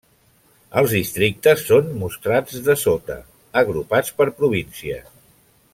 Els districtes són mostrats dessota, agrupats per províncies.